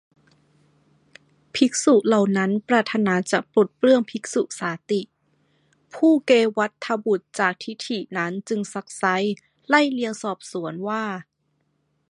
ภิกษุเหล่านั้นปรารถนาจะปลดเปลื้องภิกษุสาติ ผู้เกวัฏฏบุตรจากทิฏฐินั้นจึงซักไซ้ ไล่เลียงสอบสวนว่า